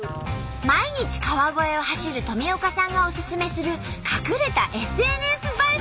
毎日川越を走る富岡さんがおすすめする隠れたＳＮＳ映え